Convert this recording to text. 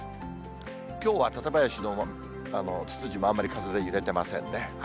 きょうは館林のツツジもあまり風で揺れてませんね。